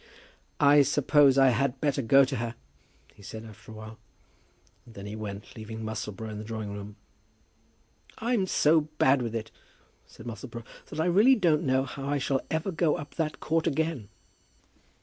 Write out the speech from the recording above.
"I suppose I had better go to her," he said, after a while. And then he went, leaving Musselboro in the drawing room. "I'm so bad with it," said Musselboro, "that I really don't know how I shall ever go up that court again."